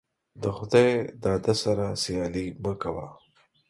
دخداى داده سره سيالي مه کوه.